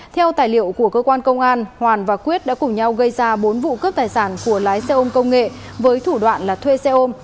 theo tài liệu của cơ quan công an hoàn và quyết đã cùng nhau gây ra bốn vụ cướp tài sản của lái xe ôm công nghệ với thủ đoạn là thuê xe ôm